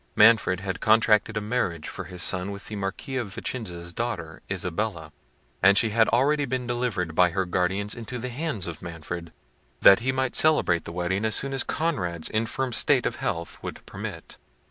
Manfred had contracted a marriage for his son with the Marquis of Vicenza's daughter, Isabella; and she had already been delivered by her guardians into the hands of Manfred, that he might celebrate the wedding as soon as Conrad's infirm state of health would permit.